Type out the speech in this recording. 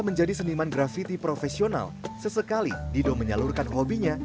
menjadi seniman grafiti profesional sesekali dido menyalurkan hobinya